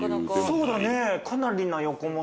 そうだね。